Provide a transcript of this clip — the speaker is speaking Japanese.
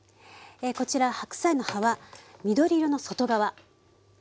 こちら白菜の葉は緑色の外側。